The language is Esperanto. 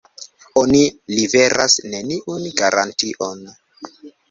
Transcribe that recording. Oni liveras neniun garantion.